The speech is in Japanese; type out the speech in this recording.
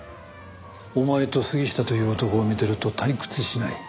お前と杉下という男を見てると退屈しない。